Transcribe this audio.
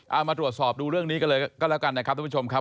เอามาตรวจสอบดูเรื่องนี้กันเลยก็แล้วกันนะครับทุกผู้ชมครับ